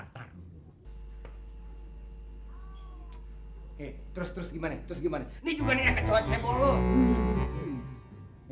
kecohan cebo lu